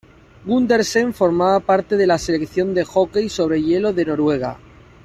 Gundersen formaba parte de la selección de hockey sobre hielo de Noruega.